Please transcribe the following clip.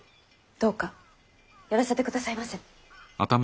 どうかやらせてくださいませ。